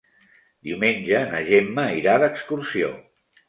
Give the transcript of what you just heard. Diumenge na Gemma irà d'excursió.